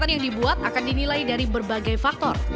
dan yang dibuat akan dinilai dari berbagai faktor